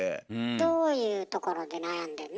どういうところで悩んでんの？